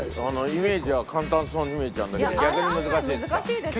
イメージは簡単そうに見えちゃうんだけど逆に難しいですか？